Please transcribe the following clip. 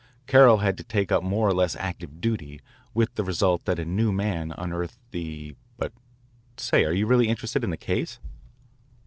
Carroll had to take up more or less active duty, with the result that a new man unearthed the but, say, are you really interested in this case?"